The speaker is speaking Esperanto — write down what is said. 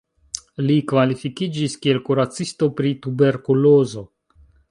Li kvalifikiĝis kiel kuracisto pri tuberkulozo.